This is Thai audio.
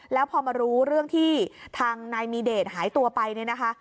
แล้วพอมารู้เรื่องที่ทางนายมีเดชหายตัวไปเนี่ยนะคะ